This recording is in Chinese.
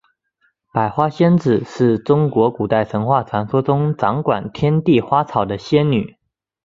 百花仙子是中国古代神话传说中掌管天地花草的仙女。